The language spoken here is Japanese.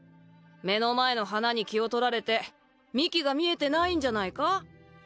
目の前の花に気を取られて幹が見えてないんじゃないか？